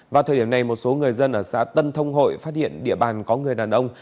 vào thời điểm này một số người dân ở xã tân thông hội phát hiện địa bàn có người đàn ông